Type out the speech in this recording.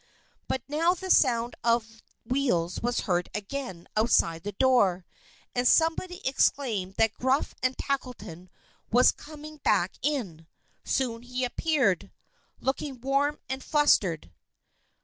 But now the sound of wheels was heard again outside the door, and somebody exclaimed that Gruff and Tackleton was coming back in. Soon he appeared, looking warm and flustered.